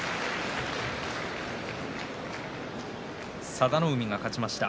佐田の海が勝ちました。